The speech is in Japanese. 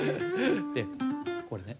でこれね。